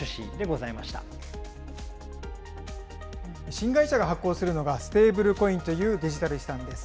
新会社が発行するのが、ステーブルコインというデジタル資産です。